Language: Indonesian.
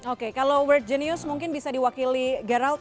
oke kalau we're genius mungkin bisa diwakili geralt